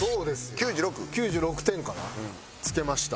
９６？９６点かなつけました。